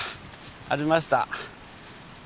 ありました。